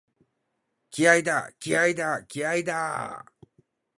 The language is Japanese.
気合いだ、気合いだ、気合いだーっ！！！